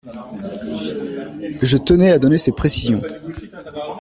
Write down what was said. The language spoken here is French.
Je tenais à donner ces précisions.